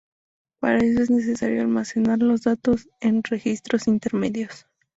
Para eso es necesario almacenar los datos en registros intermedios.